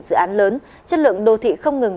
dự án lớn chất lượng đô thị không ngừng